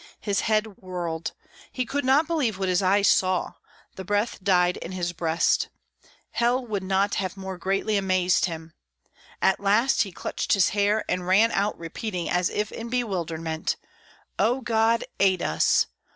His head whirled; he could not believe what his eyes saw; the breath died in his breast; hell would not have more greatly amazed him. At last he clutched his hair and ran out repeating as if in bewilderment, "O God, aid us!